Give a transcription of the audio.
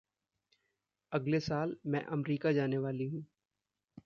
अगले साल मैं अमरीका जाने वाली हूँ।